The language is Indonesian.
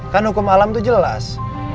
kan hukum alam itu jelas